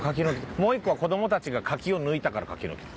もう一個は子供たちが柿を抜いたから柿の木坂。